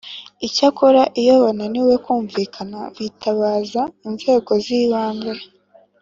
Icyakora iyo bananiwe kumvikana bitabaza inzego zibanze